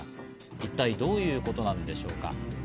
一体どういうことなんでしょうか。